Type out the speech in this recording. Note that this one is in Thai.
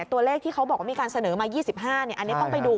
ตัวเลขที่เขาบอกว่ามีการเสนอมา๒๕อันนี้ต้องไปดู